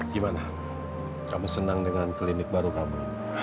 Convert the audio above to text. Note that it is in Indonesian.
gimana kamu senang dengan klinik baru kamu